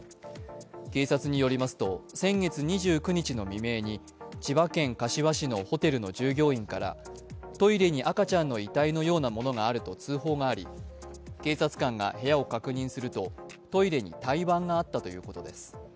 警察によりますと先月２９日の未明に千葉県柏市のホテルの従業員からトイレに赤ちゃんの遺体のようなものがあると通報があり警察官が部屋を確認するとトイレに胎盤があったということです。